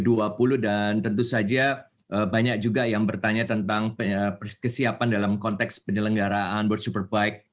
dan tentu saja banyak juga yang bertanya tentang kesiapan dalam konteks penyelenggaraan bursu perbaik